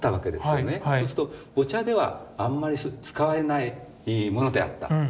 そうするとお茶ではあんまり使われないものであった。